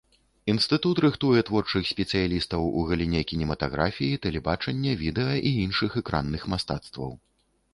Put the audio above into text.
Інстытут рыхтуе творчых спецыялістаў у галіне кінематаграфіі, тэлебачання, відэа і іншых экранных мастацтваў.